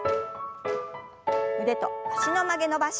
腕と脚の曲げ伸ばし。